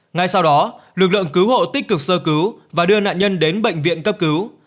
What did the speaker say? ngay sau đó lực lượng cứu hộ tích cực sơ cứu và đưa nạn nhân đến bệnh viện cấp cứu